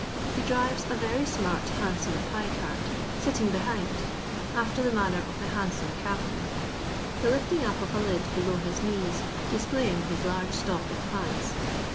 He drives a very smart, handsome pie cart, sitting behind after the manner of the Hansom cabmen, the lifting up of a lid below his knees displaying his large stock of pies.